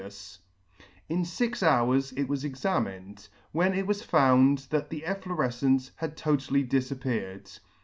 — In fix hours it was examined, when it was found that the efflorefcence had totally difappeared.